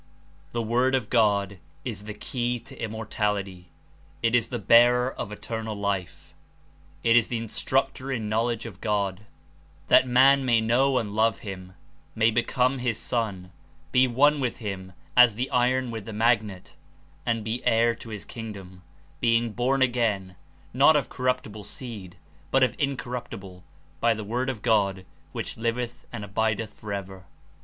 The Word of God is the key to Immortality. It is the bearer of Eternal Life. It is the instructor In knowledge of God, that man may know and love him, may become his son, be one with him as the iron with the magnet and be heir to his Kingdom, ''being born again, not of corruptible seed, but of incor ruptible, by the IVord of God, which livcth and abideth forever."